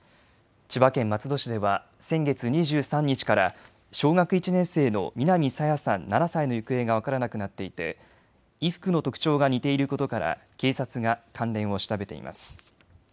千葉県松戸市では先月２３日から小学１年生の南朝芽さん、７歳の行方が分からなくなっていて衣服の特徴が似ていることから警察が関連を調べています。